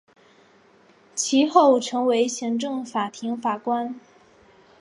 其后成为行政法庭法官。